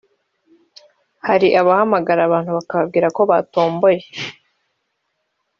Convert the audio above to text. Hari abahamagara abantu bakababwira ko batomboye